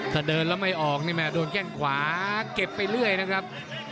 ถ้าเดินแล้วไม่ออกนี่แม่โดนแข้งขวาเก็บไปเรื่อยนะครับ